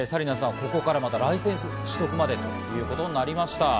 ここから半年でライセンス取得ということになりました。